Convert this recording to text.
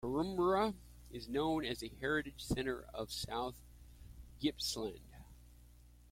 Korumburra is known as the "Heritage Centre of South Gippsland".